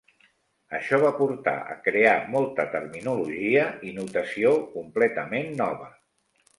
Això va portar a crear molta terminologia i notació completament nova.